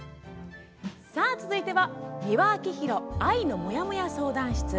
続いては「美輪明宏愛のモヤモヤ相談室」。